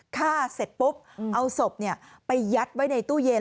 ฆ่าเสร็จปุ๊บเอาศพไปยัดไว้ในตู้เย็น